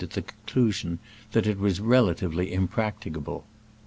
I think the conclusion that it was relatively impracticable.